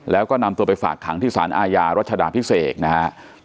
แล้วก็นำตัวไปฝากขังที่สารอาญารัชดาพิเศษนะครับ